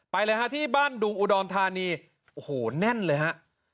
เลยฮะที่บ้านดุงอุดรธานีโอ้โหแน่นเลยฮะ